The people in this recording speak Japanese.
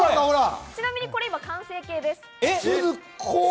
ちなみにこれ今、完成形です。